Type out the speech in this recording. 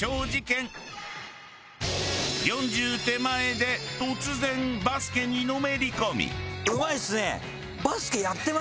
４０手前で突然バスケにのめり込み。